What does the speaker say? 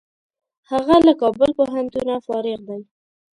هغه له کابل پوهنتونه فارغ دی.